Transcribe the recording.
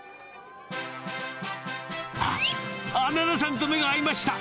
あっ、菜那さんと目が合いました。